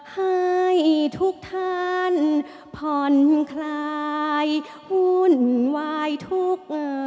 ให้ทุกท่านผ่อนคลายวุ่นวายทุกข์